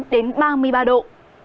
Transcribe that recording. hai mươi chín đến ba mươi ba độ